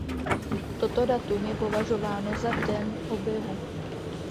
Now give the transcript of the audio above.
Toto datum je považováno za den objevu.